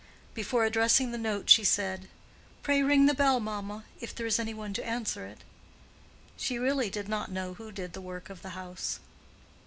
Before addressing the note she said, "Pray ring the bell, mamma, if there is any one to answer it." She really did not know who did the work of the house.